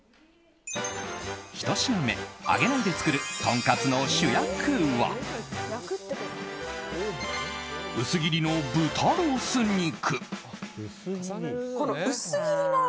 ひと品目、揚げないで作るとんかつの主役は薄切りの豚ロース肉。